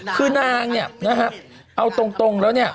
คือนางเนี่ยนะฮะเอาตรงแล้วเนี่ย